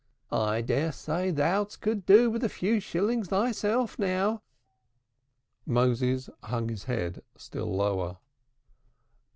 I dare say thou couldst do with a few shillings thyself now." Moses hung his head still lower.